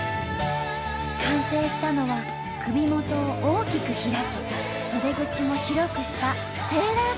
完成したのは首元を大きく開き袖口も広くしたセーラー服。